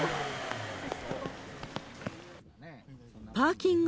パーキング